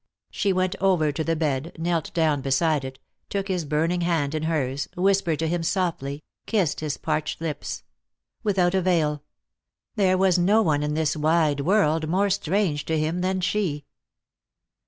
She went over to the bed, knelt down beside it, took his burn ing hand in hers, whispered to him softly, kissed his parched lips. Without avail. There was no one in this wide world more strange to him than she.